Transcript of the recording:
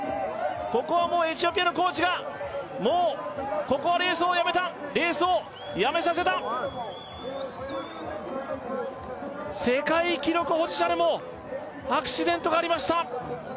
ここはもうエチオピアのコーチがもうここはレースをやめたレースをやめさせた世界記録保持者でもアクシデントがありました